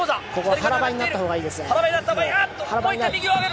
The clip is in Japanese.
腹ばいになったほうがいいですね。